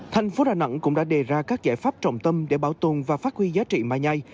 thành phố đà nẵng cũng đã đề ra các giải pháp trọng tâm để bảo tồn và phát huy giá trị mai